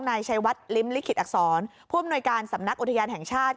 นายชัยวัดลิ้มลิขิตอักษรผู้อำนวยการสำนักอุทยานแห่งชาติ